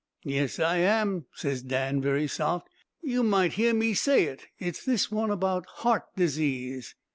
"'Yes, I am,' ses Dan very soft. 'You might hear me say it, it's this one about heart disease.'